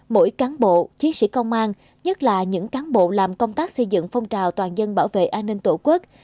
mỗi cán bộ chiến sĩ công an nhất là những cán bộ làm công tác xây dựng phong trào toàn dân bảo vệ an ninh tổ quốc